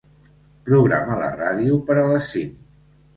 Programa la ràdio per a les cinc.